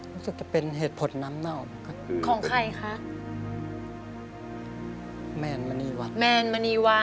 รู้สึกจะเป็นเหตุผลน้ำเหนา